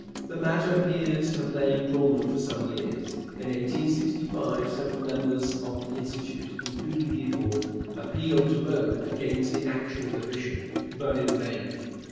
The matter appears to have lain dormant for some years. In 1865 several members of the Institute, including Guibord, appealed to Rome against the action of the bishop, but in vain.